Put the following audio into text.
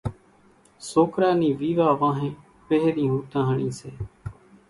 سوڪرا نِي ويوا وانھين پھرين ھوتاۿڻي سي۔